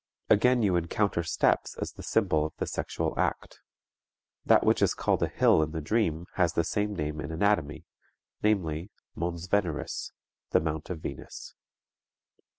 Again you encounter steps as the symbol of the sexual act. That which is called a hill in the dream has the same name in anatomy, namely, mons veneris, the mount of Venus.